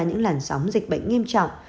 những làn sóng dịch bệnh nghiêm trọng